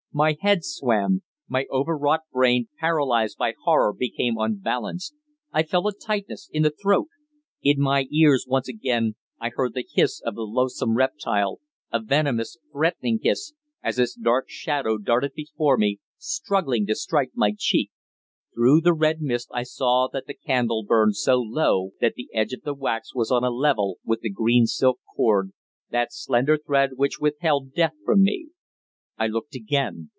My head swam. My overwrought brain, paralyzed by horror, became unbalanced. I felt a tightness in the throat. In my ears once again I heard the hiss of the loathsome reptile, a venomous, threatening hiss, as its dark shadow darted before me, struggling to strike my cheek. Through the red mist I saw that the candle burned so low that the edge of the wax was on a level with the green silk cord, that slender thread which withheld Death from me. I looked again.